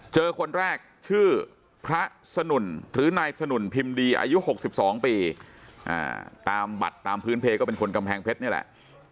คนแรกชื่อพระสนุนหรือนายสนุนพิมพ์ดีอายุ๖๒ปีตามบัตรตามพื้นเพลก็เป็นคนกำแพงเพชรนี่แหละ